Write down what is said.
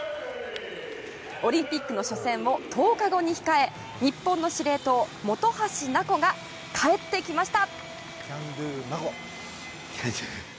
オリンピックの初戦を１０日後に控え日本の司令塔、本橋菜子が帰ってきました。